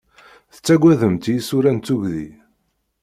Tettagademt isura n tugdi?